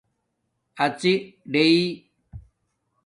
اڎݵ ڑݶ